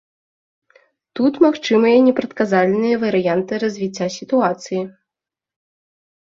Тут магчымыя непрадказальныя варыянты развіцця сітуацыі.